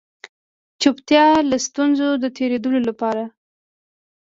چوپتيا له ستونزو د تېرېدلو لپاره